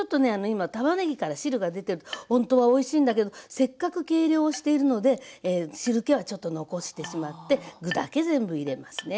今たまねぎから汁が出てるほんとはおいしいんだけどせっかく計量をしているので汁けはちょっと残してしまって具だけ全部入れますね。